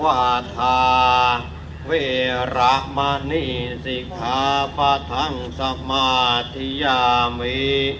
อธินาธาเวระมะนิสิขาปะทังสมาธิยามี